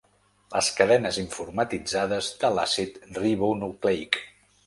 Les cadenes informatitzades de l’àcid ribonucleic.